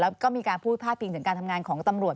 แล้วก็มีการพูดพาดพิงถึงการทำงานของตำรวจ